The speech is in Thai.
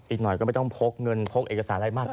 อีกหน่อยก็ไม่ต้องพกเงินพกเอกสารอะไรมาก